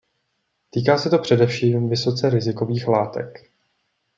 Týká se to především vysoce rizikových látek.